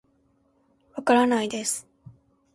わからないです